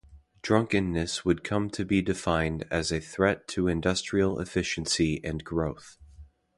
Drunkenness would come to be defined as a threat to industrial efficiency and growth.